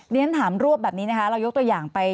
ดังนั้นถามรวบแบบนี้นะครับเรายกตัวอย่างไป